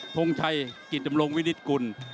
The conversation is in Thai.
ทงชัยกิตมรงค์วินิศกุล